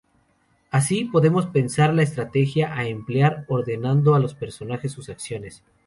Así, podemos pensar la estrategia a emplear ordenando a los personajes sus acciones.